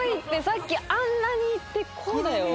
さっきあんなにいってこうだよ。